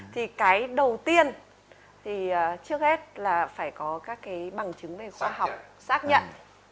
thì cái đầu tiên thì trước hết là phải có các cái bằng chứng về khoa học xác nhận